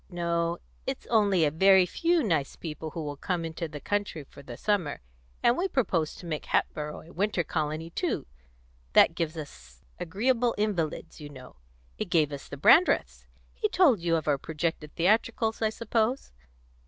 No; it's only a very few nice people who will come into the country for the summer; and we propose to make Hatboro' a winter colony too; that gives us agreeable invalids, you know; it gave us the Brandreths. He told you of our projected theatricals, I suppose?"